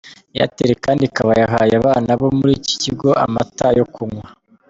Airtel kandi ikaba yahaye abana bo muri iki kigo amata yo kunywa.